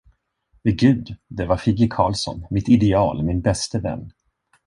Vid Gud, det var Figge Karlsson, mitt ideal, min bäste vän.